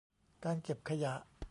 การเก็บขยะ